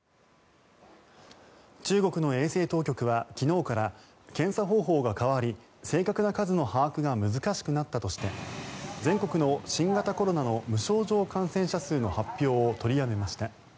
中国の衛生当局は昨日から検査方法が変わり正確な数の把握が難しくなったとして全国の新型コロナの無症状感染者数の発表を取りやめました。